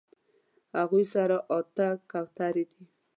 هغوی سره اتۀ کوترې دي